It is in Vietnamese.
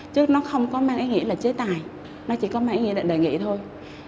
chứ nó không có mang ý nghĩa là chế tài nó chỉ có mang ý nghĩa là đề nghị thôi